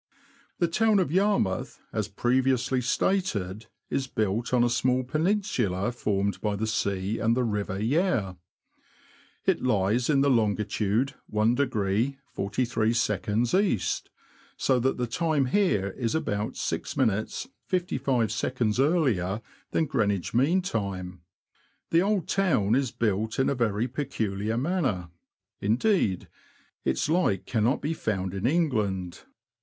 The town of Yarmouth, as previously stated, is built on a small peninsula formed by the sea and the river Yare. It lies in longitude i° 43" E., so that the time here is about 6 minutes 55 seconds earlier than Greenwich mean time. The old town is built in a very peculiar manner ; indeed, its like cannot be found in England.